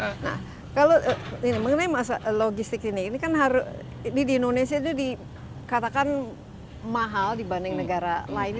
nah kalau ini mengenai logistik ini ini kan di indonesia itu dikatakan mahal dibanding negara lain